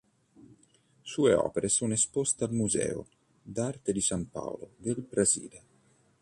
Sue opere sono esposte al Museo d'arte di San Paolo del Brasile.